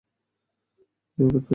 কেউ আঘাত পেয়েছ নাকি?